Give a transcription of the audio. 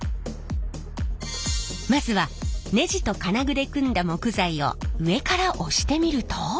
まずはネジと金具で組んだ木材を上から押してみると。